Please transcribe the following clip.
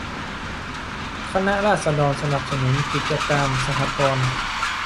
คณะราษฎรสนับสนุนกิจการสหกรณ์